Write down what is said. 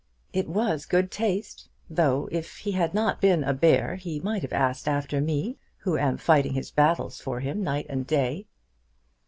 "It was good taste; though if he had not been a bear he might have asked after me, who am fighting his battles for him night and day."